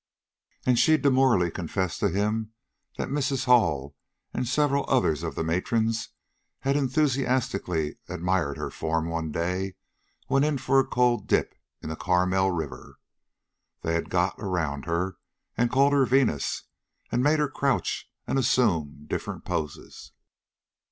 And she demurely confessed to him that Mrs. Hall and several others of the matrons had enthusiastically admired her form one day when in for a cold dip in Carmel river. They had got around her, and called her Venus, and made her crouch and assume different poses.